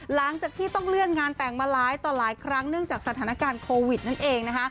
หลังจากที่ต้องเลื่อนงานแต่งมาหลายต่อหลายครั้งเนื่องจากสถานการณ์โควิดนั่นเอง